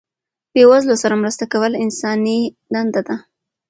بې وزلو سره مرسته کول انساني دنده ده.